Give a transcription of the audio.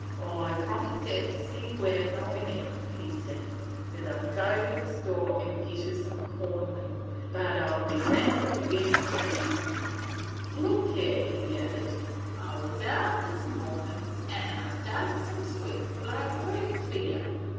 "I promised Hepsy when I went out," he said, "thet I 'd go to the store and git her some corn meal, but I 'll be round agin in th' evening. Look 'ere," he added, "I wus out this mornin', an' I dug some sweet flag root for yer.